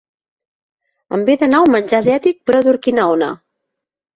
Em ve de nou menjar asiàtic prop d'Urquinaona.